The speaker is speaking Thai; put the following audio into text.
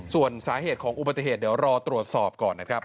ส่วนสาเหตุของอุบัติเหตุเดี๋ยวรอตรวจสอบก่อนนะครับ